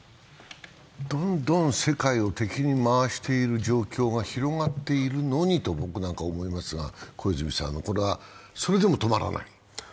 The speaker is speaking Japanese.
どんどん世界を敵に回している状況が広がっているのにと僕なんかは思うんですけど、小泉さん、それでも止まらない？